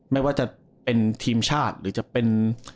ไม่ว่าจะเป็นทีมชาติหรือจะเป็น